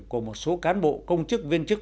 của một số cán bộ công chức viên chức